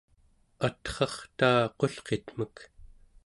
atrartaa qulqitmek